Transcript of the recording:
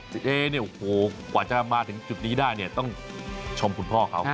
เอ๊เนี่ยโอ้โหกว่าจะมาถึงจุดนี้ได้เนี่ยต้องชมคุณพ่อเขา